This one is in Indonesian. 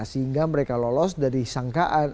sehingga mereka lolos dari sangkaan